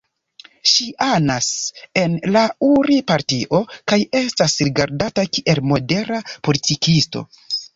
Ŝi anas en la Uri-Partio kaj estas rigardata kiel modera politikisto.